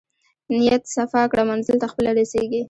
نیت صفاء کړه منزل ته خپله رسېږې.